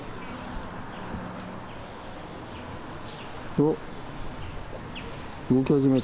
おっ動き始めた。